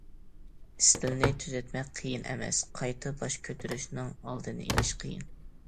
ئىستىلنى تۈزەتمەك قىيىن ئەمەس، قايتا باش كۆتۈرۈشنىڭ ئالدىنى ئېلىش قىيىن.